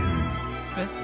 えっ？